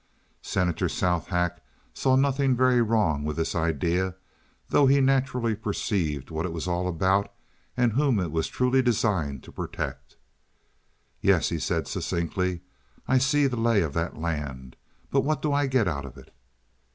Senator Southack saw nothing very wrong with this idea, though he naturally perceived what it was all about and whom it was truly designed to protect. "Yes," he said, succinctly, "I see the lay of that land, but what do I get out of it?"